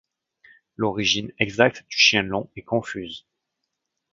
L'origine exacte du chien-lion est confuse.